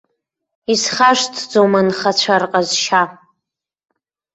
Исхашҭӡом анхацәа рҟазшьа.